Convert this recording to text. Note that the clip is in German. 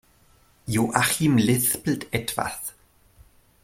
Joachim lispelt etwas.